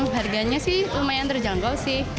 harganya sih lumayan terjangkau sih